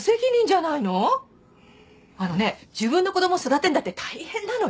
あのね自分の子供を育てんだって大変なのよ。